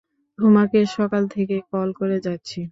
তোমাকে সকাল থেকে কল করে যাচ্ছি।